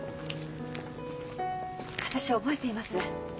私覚えています。